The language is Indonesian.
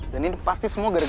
dan ini pasti semua gara gara dia